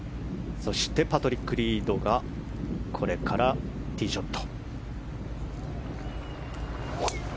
そしてパトリック・リードがこれからティーショット。